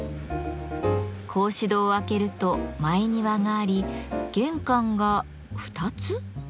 格子戸を開けると「前庭」があり玄関が２つ？